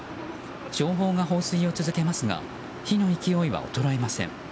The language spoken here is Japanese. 消防が放水を続けますが火の勢いは衰えません。